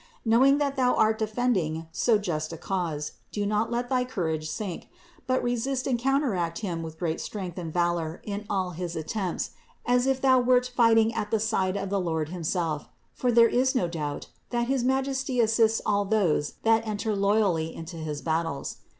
Knowing that thou art defending so just a cause, do not let thy courage sink; but resist and counteract him with great strength and valor in all his attempts, as if thou wert fighting at the side of the Lord himself; for there is no doubt that his Majesty assists all those that enter loyally into his battles.